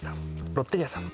ロッテリアさん